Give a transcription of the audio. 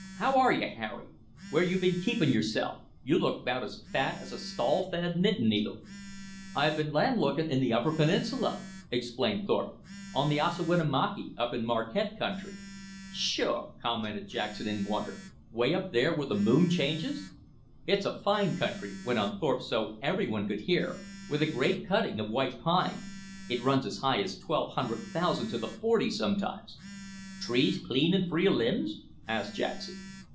How are you, Harry? Where you been keepin' yourself? You look 'bout as fat as a stall fed knittin' needle." "I've been landlooking in the upper peninsula," explained Thorpe, "on the Ossawinamakee, up in the Marquette country." "Sho'" commented Jackson in wonder, "way up there where the moon changes!" "It's a fine country," went on Thorpe so everyone could hear, "with a great cutting of white pine. It runs as high as twelve hundred thousand to the forty sometimes." "Trees clean an' free of limbs?" asked Jackson.